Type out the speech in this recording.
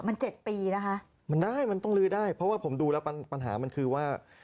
มันเจ็ดปีนะคะมันได้มันต้องลื้อได้เพราะว่าผมดูแล้วปัญหามันคือว่า